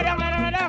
lidung lidung lidung